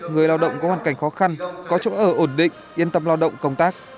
người lao động có hoàn cảnh khó khăn có chỗ ở ổn định yên tâm lao động công tác